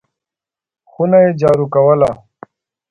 خونه یې جارو کوله !